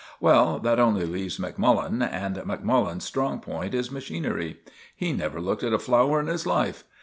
Well, that only leaves Macmullen, and Macmullen's strong point is machinery. He never looked at a flower in his life.